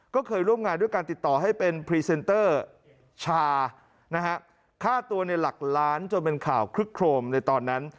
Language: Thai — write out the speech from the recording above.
ก็เคยร่วมงานด้วยการติดต่อให้เป็นพรีเซนเตอร์ชานะฮะค่าตัวในหลักล้านจนเป็นข่าวคลึกโครมในตอนนั้น